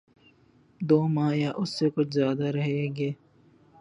دو ماہ یا اس سے کچھ زیادہ رہیں گے۔